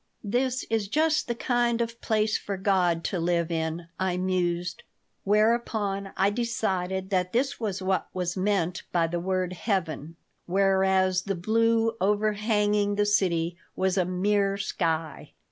"This is just the kind of place for God to live in," I mused. Whereupon I decided that this was what was meant by the word heaven, whereas the blue overhanging the city was a "mere sky."